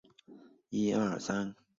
双方共举行了六次会谈。